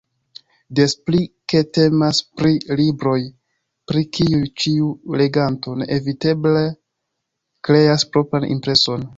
Des pli ke temas pri libroj, pri kiuj ĉiu leganto neeviteble kreas propran impreson.